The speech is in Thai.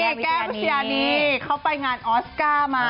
แก้วพิชยานีเขาไปงานออสการ์มา